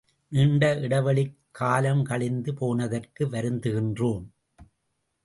நீண்ட இடைவெளிக் காலம் கழிந்து போனதற்காக வருந்துகின்றோம்.